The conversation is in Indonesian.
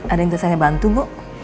ada yang saya bantu bu